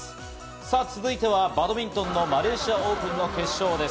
続いてはバドミントンのマレーシアオープンの決勝です。